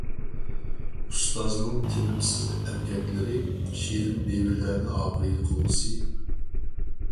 ئۇستازنىڭ تىنىمسىز ئەمگەكلىرى شېرىن مېۋىلەرنى ئاپىرىدە قىلغۇسى!